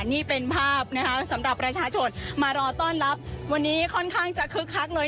นี่เป็นภาพนะคะสำหรับประชาชนมารอต้อนรับวันนี้ค่อนข้างจะคึกคักเลย